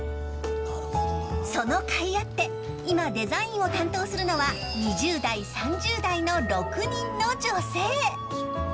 その甲斐あって今デザインを担当するのは２０代、３０代の６人の女性。